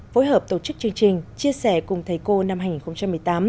phối hợp tổ chức chương trình chia sẻ cùng thầy cô năm hai nghìn một mươi tám